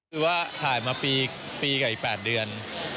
คือว่าถ่ายมาปีกับอีก๘เดือน